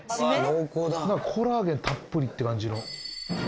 コラーゲンたっぷりって感じの。